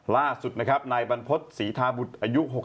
ล่าสุดนะครับนายบรรพฤษศรีธาบุตรอายุ๖๒